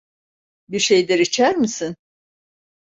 Bir şeyler içer misin?